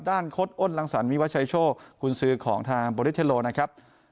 คดอ้นรังสรรวิวัชชัยโชคคุณซื้อของทางโบริเทโลนะครับ